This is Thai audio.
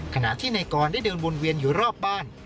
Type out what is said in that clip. ขณะที่นายกรได้เดินวนเวียนอยู่รอบบ้าน